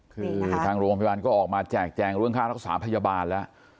คือทางโรงพยาบาลก็ออกมาแจกแจงเรื่องค่ารักษาพยาบาลแล้ว